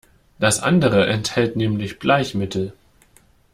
Das andere enthält nämlich Bleichmittel.